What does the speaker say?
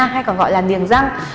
hay còn gọi là niềng răng